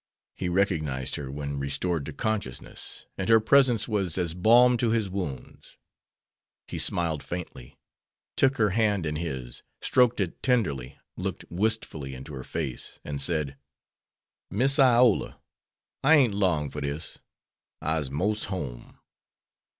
He recognized her when restored to consciousness, and her presence was as balm to his wounds. He smiled faintly, took her hand in his, stroked it tenderly, looked wistfully into her face, and said, "Miss Iola, I ain't long fer dis! I'se 'most home!"